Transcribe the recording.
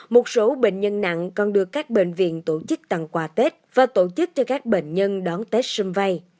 một số bệnh nhân nặng còn được các bệnh viện tổ chức tặng quà tết và tổ chức cho các bệnh nhân đón tết xung vầy